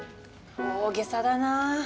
大げさだなあ。